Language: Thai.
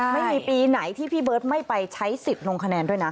ไม่มีปีไหนที่พี่เบิร์ตไม่ไปใช้สิทธิ์ลงคะแนนด้วยนะ